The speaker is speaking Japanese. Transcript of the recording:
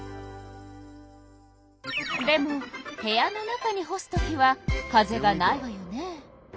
でも部屋の中に干すときは風がないわよね？